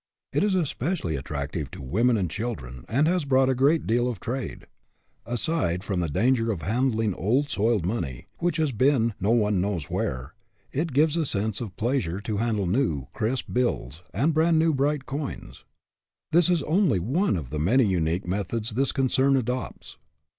It is especially attractive to women and chil dren, and has brought a great deal of trade. Aside from the danger of handling old, soiled money, which has been no one knows where, i68 ORIGINALITY it gives a sense of pleasure to handle new, crisp bills, and brand new, bright coins. This is only one of the many unique methods this concern adopts.